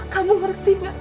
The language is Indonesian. kamu ngerti gak tut